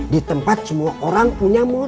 di tempat semua orang punya